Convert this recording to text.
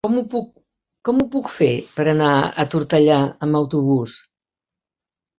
Com ho puc fer per anar a Tortellà amb autobús?